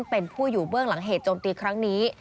เป็นผู้อยู่เบื้องหลังเหตุโจมตีครั้งนี้